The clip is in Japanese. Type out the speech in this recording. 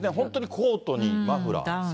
コートにマフラー。